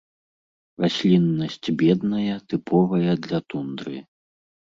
Расліннасць бедная, тыповая для тундры.